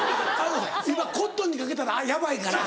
今コットンにかけたらやばいから。